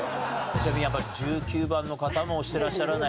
ちなみにやっぱり１９番の方も押してらっしゃらないんですよ。